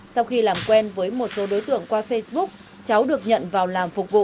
sau khi làm quen với một số đối tượng qua facebook cháu được nhận vào làm phục vụ